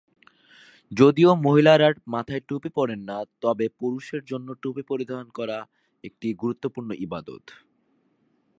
যদিও মহিলারা মাথায় টুপি পরেন না, তবে পুরুষের জন্য টুপি পরিধান একটি গুরুত্বপূর্ণ ইবাদত।